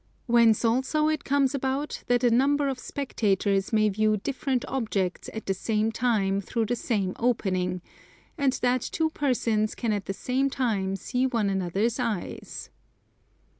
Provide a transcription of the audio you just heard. Whence also it comes about that a number of spectators may view different objects at the same time through the same opening, and that two persons can at the same time see one another's eyes.